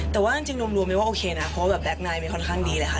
แต่ว่าจริงรวมไม่ว่าโอเคนะเพราะว่าแบบแก๊กไนท์ไม่ค่อนข้างดีเลยค่ะ